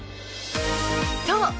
そう！